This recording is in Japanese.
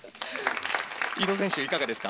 伊藤選手いかがですか？